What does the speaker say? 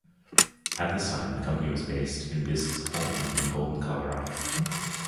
At this time, the company was based in Bisque's home in Golden, Colorado.